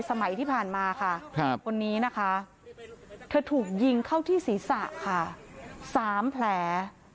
สมัยที่ผ่านมาค่ะคนนี้นะคะเธอถูกยิงเข้าที่ศีรษะค่ะ๓แผล